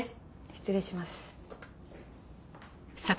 失礼します。